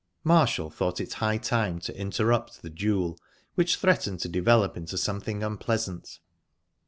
Marshall thought it high time to interrupt the duel, which threatened to develop into something unpleasant.